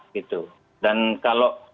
gitu dan kalau